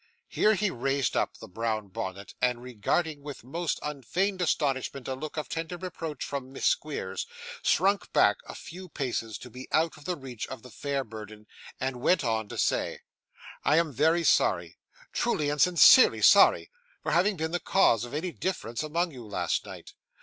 Here he raised up the brown bonnet, and regarding with most unfeigned astonishment a look of tender reproach from Miss Squeers, shrunk back a few paces to be out of the reach of the fair burden, and went on to say: 'I am very sorry truly and sincerely sorry for having been the cause of any difference among you, last night.